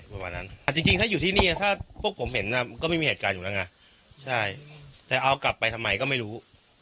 ประมาณนั้นจริงถ้าอยู่ที่นี่ถ้าพวกผมเห็นน่ะก็ไม่มีเหตุการณ์อยู่แล้วไงใช่แต่เอากลับไปทำไมก็ไม่รู้